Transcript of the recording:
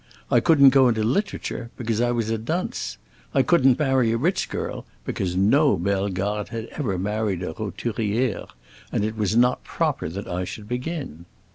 I couldn't go into literature, because I was a dunce. I couldn't marry a rich girl, because no Bellegarde had ever married a roturière, and it was not proper that I should begin.